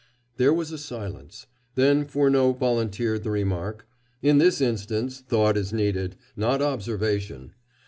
There was a silence. Then Furneaux volunteered the remark: "In this instance, thought is needed, not observation.